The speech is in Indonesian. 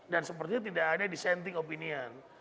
dan sepertinya tidak ada dissenting opinion